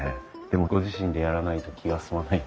でもご自身でやらないと気が済まない。